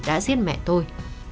đã giết mẹ tôi